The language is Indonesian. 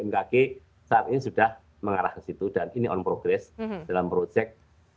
bmkg saat ini sudah mengarah ke situ dan ini on progress dalam proyek